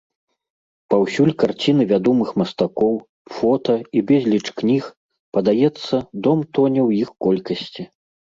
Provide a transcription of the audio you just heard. Паўсюль карціны вядомых мастакоў, фота і безліч кніг, падаецца, дом тоне ў іх колькасці.